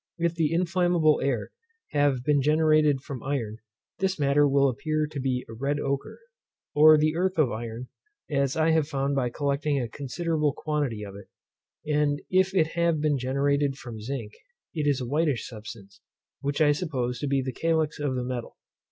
If the inflammable air have been generated from iron, this matter will appear to be a red okre, or the earth of iron, as I have found by collecting a considerable quantity of it; and if it have been generated from zinc, it is a whitish substance, which I suppose to be the calx of the metal.